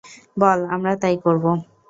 বল, আমরা তাই করব।